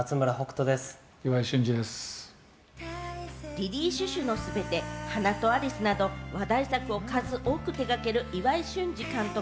『リリイ・シュシュのすべて』、『花とアリス』など話題作を数多く手がける岩井俊二監督。